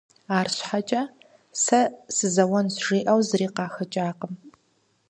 АрщхьэкӀэ, сэ сызэуэнщ жиӀэу зыри къахэкӀакъым.